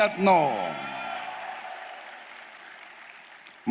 mantan mentri koordinator paul hukam